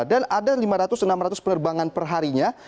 dan ada lima ratus enam ratus penerbangan perharinya